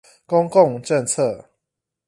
公共政策